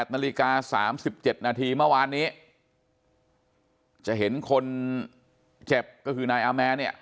นาฬิกา๓๗นาทีเมื่อวานนี้จะเห็นคนเจ็บก็คือนายอาแมนเนี่ย